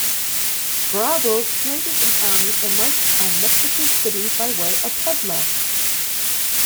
Bravo created an army and marched on Mexico City, by way of Puebla.